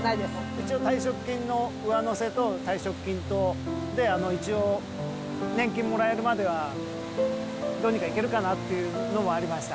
一応、退職金の上乗せと退職金とで、一応、年金もらえるまではどうにかいけるかなっていうのもありました。